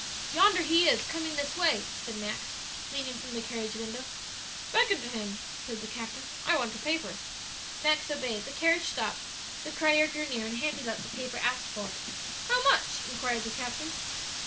"Yonder he is, coming this way," said Max, leaning from the carriage window. "Beckon to him," said the captain; "I want a paper." Max obeyed; the carriage stopped, the crier drew near and handed up the paper asked for. "How much?" inquired the captain.